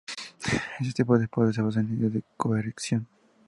Este tipo de poder se basa en la idea de coerción.